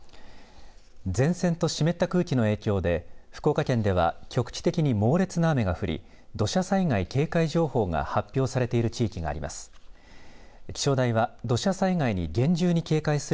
前線と湿った空気の影響で福岡県では局地的に猛烈な雨が降り土砂災害警戒情報が発表されている地域があります。